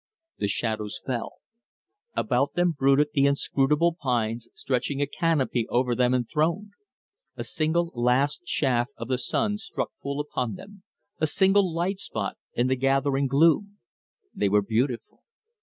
The shadows fell. About them brooded the inscrutable pines stretching a canopy over them enthroned. A single last shaft of the sun struck full upon them, a single light spot in the gathering gloom. They were beautiful.